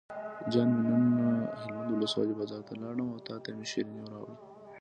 جان مې نن هلمند ولسوالۍ بازار ته لاړم او تاته مې شیرینۍ راوړې.